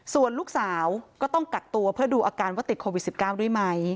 ส่วนลูกสาวก็ต้องกักตัวเพื่อดูอาการว่าติดโควิด๑๙ด้วยไหม